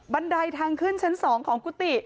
บันไดทางขึ้นชั้น๒ของกุฏิ